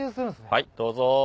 はいどうぞ。